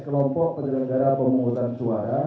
kelompok penyelenggara pemungkutan suara